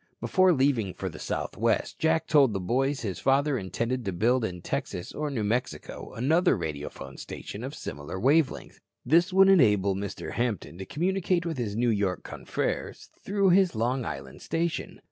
Before leaving for the Southwest, Jack told the boys his father intended to build in Texas or New Mexico another radiophone station of similar wave length. This would enable Mr. Hampton to communicate with his New York confreres through his Long Island station.